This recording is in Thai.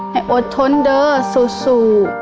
ให้อดทนเด้อสู้